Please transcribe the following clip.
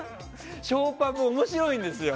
ショーパブ、面白いんですよ